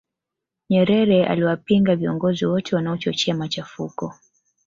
nyerere aliwapinga viongozi wote wanaochochea machafuko